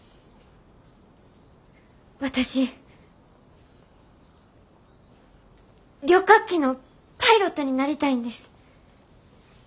私旅客機のパイロットになりたいんです。